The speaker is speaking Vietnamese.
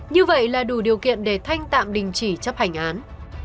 như vậy là đủ điều kiện để thanh tạm đình chỉ chấp hành án